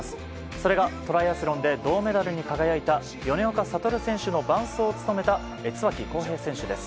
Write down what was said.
それがトライアスロンで銅メダルに輝いた米岡聡選手の伴走を務めた椿浩平選手です。